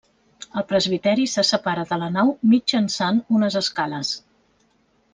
El presbiteri se separa de la nau mitjançant unes escales.